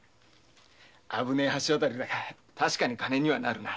危ねえが確かに金にはなるな。